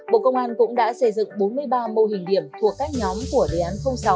bộ công an cũng đã xây dựng bốn mươi ba mô hình điểm thuộc các nhóm của đề án sáu